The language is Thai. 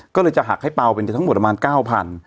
ก็เลยจะหักให้เปล่าเป็นทั้งหมดประมาณ๙๐๐บาท